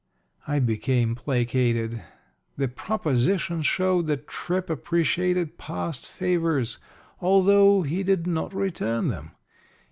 I became placated. The proposition showed that Tripp appreciated past favors, although he did not return them.